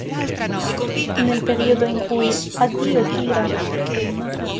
Nel periodo in cui "Addio Kira!